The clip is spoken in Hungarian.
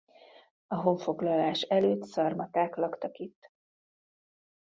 A honfoglalás előtt szarmaták laktak itt.